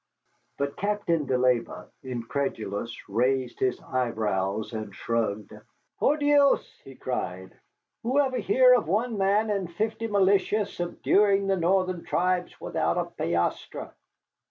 But Captain de Leyba, incredulous, raised his eyebrows and shrugged. "Por Dios," he cried, "whoever hear of one man and fifty militia subduing the northern tribes without a piastre?"